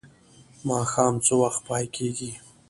ماښام څه وخت پای کیږي؟